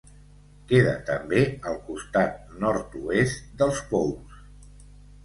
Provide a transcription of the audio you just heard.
Queda també al costat nord-oest dels Pous.